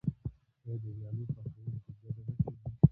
آیا د ویالو پاکول په ګډه نه کیږي؟